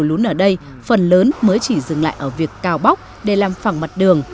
lún ở đây phần lớn mới chỉ dừng lại ở việc cào bóc để làm phẳng mặt đường